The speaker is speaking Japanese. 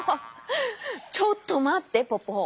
ちょっとまってポポ！